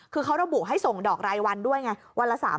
คือเขาระบุให้ส่งดอกรายวันด้วยไงวันละ๓๐๐